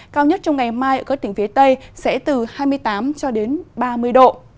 cao nhất trong ngày mai ở các tỉnh phía tây sẽ từ hai mươi tám ba mươi độ